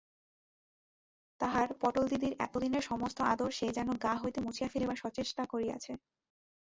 তাহার পটলদিদির এতদিনের সমস্ত আদর সে যেন গা হইতে মুছিয়া ফেলিবার সচেষ্টা করিয়াছে।